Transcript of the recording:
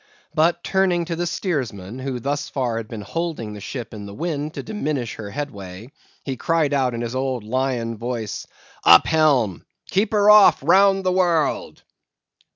But turning to the steersman, who thus far had been holding the ship in the wind to diminish her headway, he cried out in his old lion voice,—"Up helm! Keep her off round the world!"